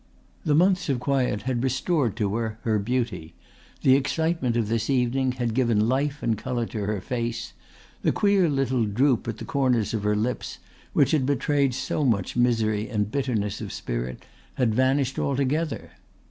The months of quiet had restored her to her beauty, the excitement of this evening had given life and colour to her face, the queer little droop at the corners of her lips which had betrayed so much misery and bitterness of spirit had vanished altogether.